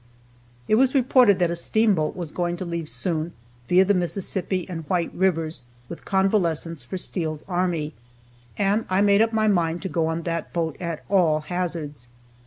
It was reported that a steamboat was going to leave soon, via Mississippi and White rivers, with convalescents for Steele's army, and I made up my mind to go on that boat, at all hazards.